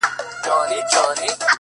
• د بېګانه وو مزدوران دي په پیسو راغلي,